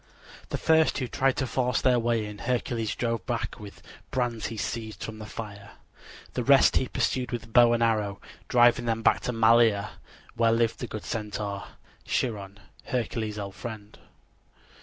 The first who tried to force their way in Hercules drove back with brands he seized from the fire. The rest he pursued with bow and arrow, driving them back to Malea, where lived the good Centaur, Chiron, Hercules' old friend.